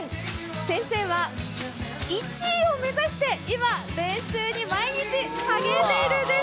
先生は１位を目指して今、練習に毎日励んでいるんです。